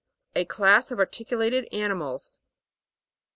A class of articulated ani mals.